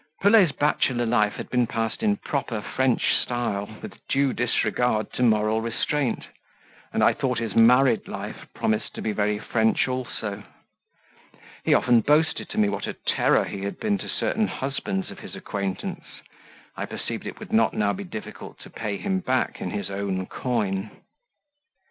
Pelet's bachelor's life had been passed in proper French style with due disregard to moral restraint, and I thought his married life promised to be very French also. He often boasted to me what a terror he had been to certain husbands of his acquaintance; I perceived it would not now be difficult to pay him back in his own coin.